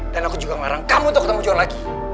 dan aku juga mengarang kamu untuk ketemu john lagi